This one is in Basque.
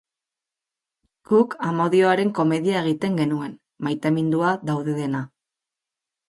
Guk amodioaren komedia egiten genuen, maiteminduta daudenena.